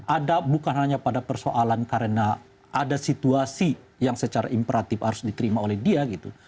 ada bukan hanya pada persoalan karena ada situasi yang secara imperatif harus diterima oleh dia gitu